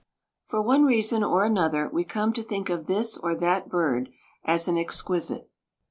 For one reason or another we come to think of this or that bird as an exquisite.